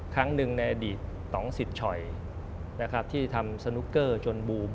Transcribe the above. ครั้งหนึ่งในอดีตต้องสิทธิ์ฉ่อยนะครับที่ทำสนุกเกอร์จนบูม